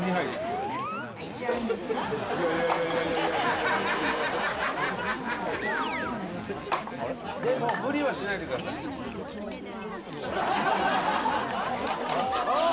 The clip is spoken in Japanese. それいやいやいやいやでも無理はしないでくださいあっ！